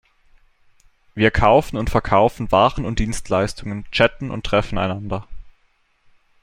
Wir kaufen und verkaufen Waren und Dienstleistungen, chatten und treffen einander.